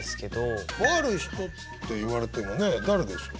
とある人って言われてもね誰でしょう？